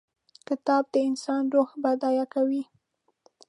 کتاب د انسان روح بډای کوي.